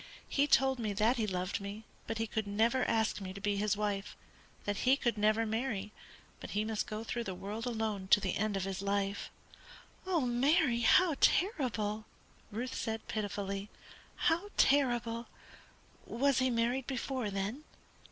He told me that he loved me, but could never ask me to be his wife; that he could never marry, but he must go through the world alone to the end of his life." "Oh, Mary, how terrible!" Ruth said, pitifully, "how terrible! Was he married before, then?"